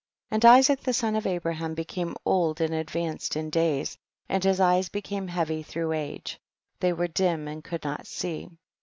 And Isaac the son of Abraham became old and advanced in days, and his eyes became heavy through age ; they were dim and could not see.